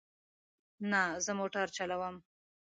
نه، زه موټر چلوم